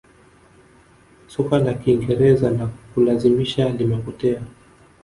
soka la kingereza la kulazimisha limepotea